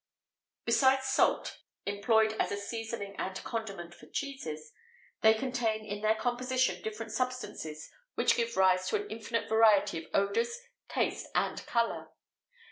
Besides salt, employed as a seasoning and condiment for cheeses, they contain in their composition different substances which give rise to an infinite variety of odours, taste, and colour.